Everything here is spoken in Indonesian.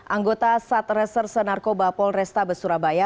anggota sat reserse narkoba polresta besurabaya